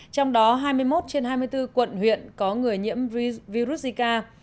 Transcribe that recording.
trong đó hai mươi một trên hai mươi bốn quận huyện có người nhiễm virus zika